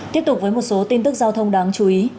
tiếp tục với một số tin tức giao thông đáng chú ý